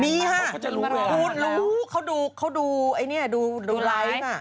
มีฮะคุณรู้เขาดูไลค์ค่ะ